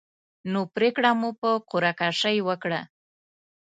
نو پرېکړه مو په قره کشۍ وکړه.